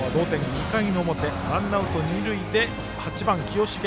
２回の表ワンアウト二塁で８番、清重。